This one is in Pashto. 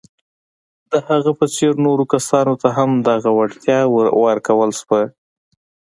د هغه په څېر نورو کسانو ته هم دغه وړتیا ورکول شوه.